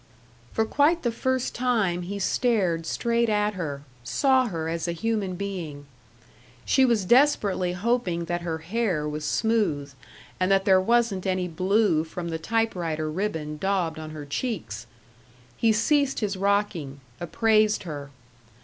For quite the first time he stared straight at her, saw her as a human being. She was desperately hoping that her hair was smooth and that there wasn't any blue from the typewriter ribbon daubed on her cheeks!... He ceased his rocking; appraised her.